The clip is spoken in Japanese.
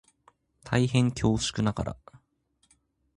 大変恐縮ながら